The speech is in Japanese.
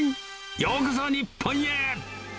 ようこそ日本へ。